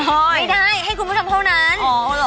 ไม่ได้ให้คุณผู้ชมเท่านั้น